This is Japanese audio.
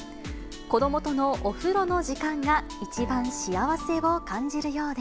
子どもとのお風呂の時間が一番幸せを感じるようで。